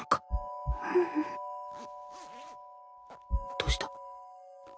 どうした？